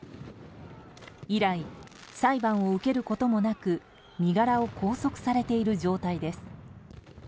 以来、裁判を受けることもなく身柄を拘束されている状態です。